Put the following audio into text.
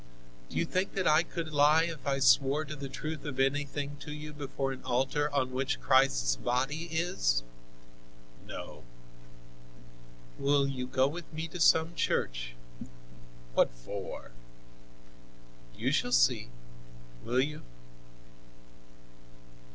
"Do you think that I could lie if I swore to the truth of anything to you before an altar on which Christ's body is?" "No." "Will you go with me to some church?" "What for?" "You shall see. Will you?"